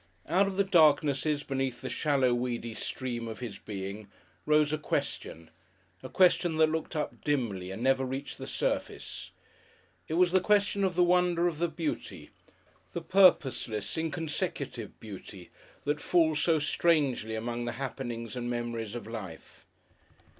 Out of the darknesses beneath the shallow, weedy stream of his being rose a question, a question that looked up dimly and never reached the surface. It was the question of the wonder of the beauty, the purposeless, inconsecutive beauty, that falls so strangely among the happenings and memories of life.